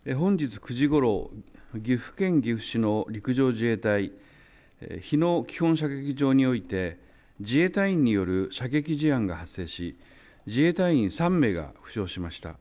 本日９時ごろ岐阜県岐阜市の陸上自衛隊日野基本射撃場において自衛隊員による射撃事案が発生し自衛隊員３名が負傷しました。